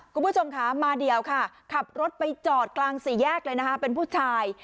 คุณผู้ชมค่ะมาเดียวค่ะขับรถไปจอดกลางสี่แยกเลยนะคะเป็นผู้ชาย